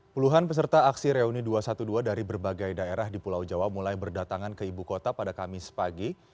puluhan peserta aksi reuni dua ratus dua belas dari berbagai daerah di pulau jawa mulai berdatangan ke ibu kota pada kamis pagi